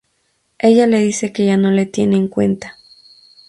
Ella le dice que ya no le tiene en cuenta.